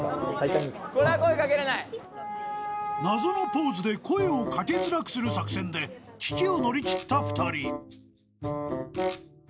［謎のポーズで声を掛けづらくする作戦で危機を乗り切った２人］